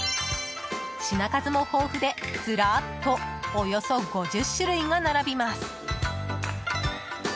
品数も豊富で、ずらっとおよそ５０種類が並びます。